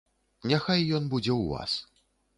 Няхай ён будзе ў вас.